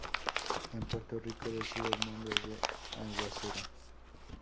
En Puerto Rico recibe el nombre de aguacero.